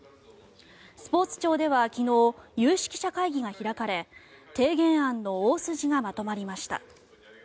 スポーツ庁では昨日有識者会議が開かれ提言案の大筋がまとまりました。